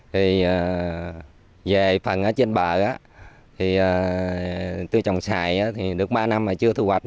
thì về phần ở trên bờ thì tôi trồng xi thì được ba năm mà chưa thu hoạch